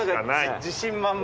自信満々。